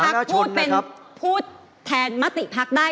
หัวหน้าพักพูดเป็นพูดแทนมติพักได้